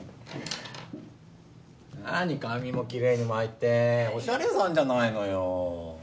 何髪もきれいに巻いておしゃれさんじゃないのよ。